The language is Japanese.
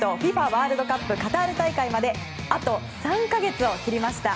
ＦＩＦＡワールドカップカタール大会まであと３か月を切りました。